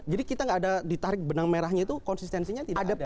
jadi kita tidak ada ditarik benang merahnya itu konsistensinya tidak ada